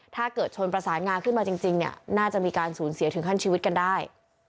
ถ้าเกิดชนประสานงาขึ้นมาจริงเนี่ยน่าจะมีการสูญเสียถึงขั้นชีวิตกันได้